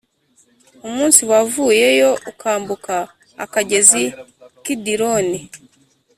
Umunsi wavuyeyo ukambuka akagezi Kidironi